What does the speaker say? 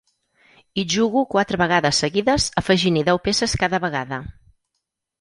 Hi jugo quatre vegades seguides, afegint-hi deu peces cada vegada.